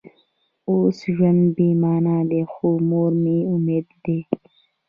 اوس ژوند بې معنا دی خو مور مې امید دی